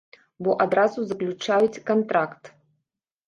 Бо адразу заключаюць кантракт.